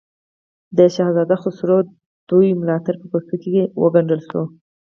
د شهزاده خسرو دوه ملاتړي په پوستکو کې وګنډل شول.